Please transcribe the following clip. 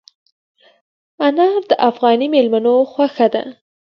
انار د افغاني مېلمنو خوښه ده.